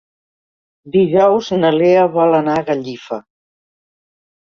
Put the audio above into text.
Dijous na Lea vol anar a Gallifa.